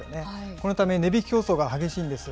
このため、値引き競争が激しいんです。